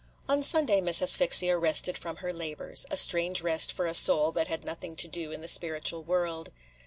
On Sunday Miss Asphyxia rested from her labors, – a strange rest for a soul that had nothing to do in the spiritual world.